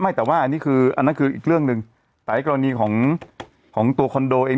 แต่ว่าอันนี้คืออันนั้นคืออีกเรื่องหนึ่งแต่ไอ้กรณีของของตัวคอนโดเอง